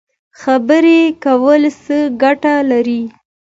خبرې کول څه ګټه لري؟